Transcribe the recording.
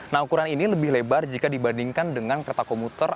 nah ukuran ini lebih lebar jika dibandingkan dengan kereta komuter